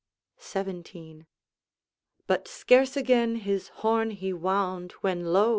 XVII. But scarce again his horn he wound, When lo!